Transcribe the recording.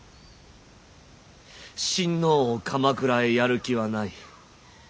親王を鎌倉へやる気はない。